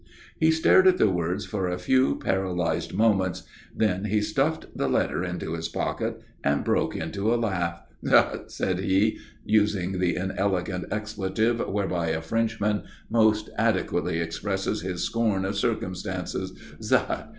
He stared at the words for a few paralyzed moments. Then he stuffed the letter into his pocket and broke into a laugh. "Zut!" said he, using the inelegant expletive whereby a Frenchman most adequately expresses his scorn of circumstance. "_Zut!